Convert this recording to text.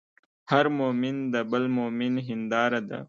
هر مؤمن د بل مؤمن هنداره ده.